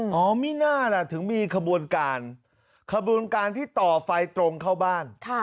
มิน่าล่ะถึงมีขบวนการขบวนการที่ต่อไฟตรงเข้าบ้าน